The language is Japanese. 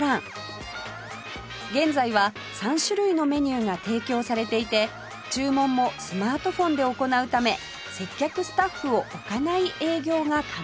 現在は３種類のメニューが提供されていて注文もスマートフォンで行うため接客スタッフを置かない営業が可能に